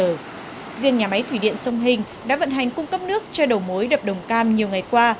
riêng nhà máy thủy điện sông hình đã vận hành cung cấp nước cho đầu mối đập đồng cam nhiều ngày qua